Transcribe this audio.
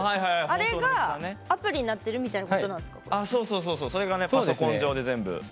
あれが、アプリになってるみたいなことなんですか。